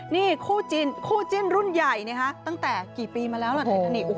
นี่คู่จิ้นคู่จิ้นรุ่นใหญ่ตั้งแต่กี่ปีมาแล้วล่ะเททานิก